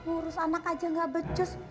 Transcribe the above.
urus anak aja gak becus